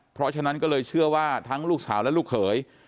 เพราะฉะนั้นก็เลยเชื่อว่าทั้งลูกสาวและลูกเขย